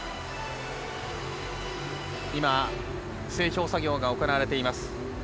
今、整氷作業が行われています。